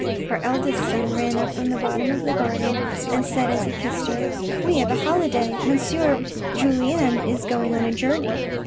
Her eldest son ran up from the bottom of the garden, and said as he kissed her, " We have a holiday, M. Julien is going on a journey."